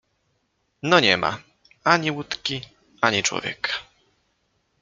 No nie ma: ani łódki, ani człowieka.